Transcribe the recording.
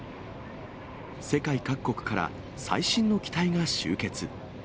世界各国から最新の機体が集結。